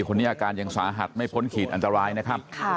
คนนี้อาการยังสาหัสไม่พ้นขีดอันตรายนะครับ